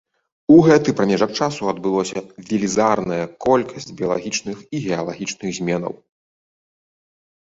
У гэты прамежак часу адбылося велізарная колькасць біялагічных і геалагічных зменаў.